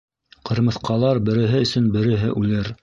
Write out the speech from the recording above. Ҡырмыҫҡалар береһе өсөн береһе үлер.